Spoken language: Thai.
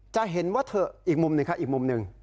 จะเห็นว่าเถอะอีกมุมหนึ่งค่ะอีกมุมหนึ่ง